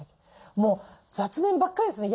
もう雑念ばっかりですね。